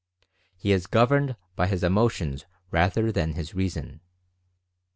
He is governed by his emotions rather than by his reason.